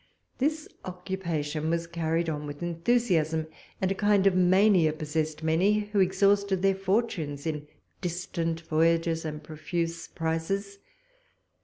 This occupation was carried on with enthusiasm, and a kind of mania possessed many, who exhausted their fortunes in distant voyages and profuse prices.